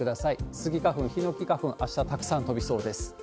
スギ花粉、ヒノキ花粉、あした、たくさん飛びそうです。